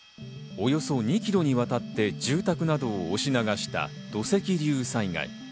およそ２ｋｍにわたって住宅などを押し流した土石流災害。